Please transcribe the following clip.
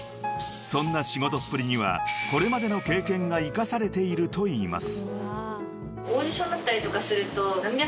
［そんな仕事っぷりにはこれまでの経験が生かされていると言います］